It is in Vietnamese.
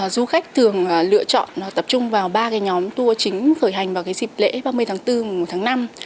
du khách thường lựa chọn tập trung vào ba nhóm tour chính khởi hành vào dịp lễ ba mươi tháng bốn một tháng năm